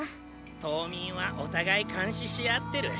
島民はお互い監視し合ってる。